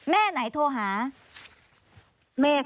แม่ไหนโทรหา